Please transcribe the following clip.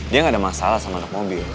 dia gak ada masalah sama anak mobil